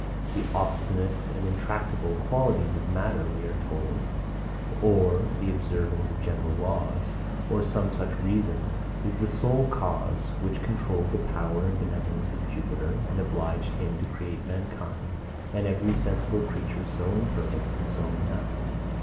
The obstinate and intractable qualities of matter, we are told, or the observance of general laws, or some such reason, is the sole cause, which controlled the power and benevolence of Jupiter, and obliged him to create mankind and every sensible creature so imperfect and so unhappy.